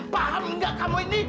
paham gak kamu ini